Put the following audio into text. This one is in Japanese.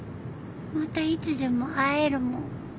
またいつでも会えるもん